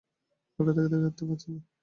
ওটা তাকে দেখতে পাচ্ছে না।